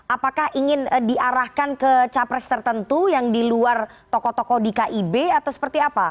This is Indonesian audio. apakah ingin diarahkan ke capres tertentu yang di luar tokoh tokoh di kib atau seperti apa